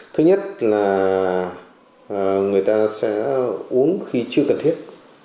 thứ nhất là người ta sẽ uống khi chưa cần thiết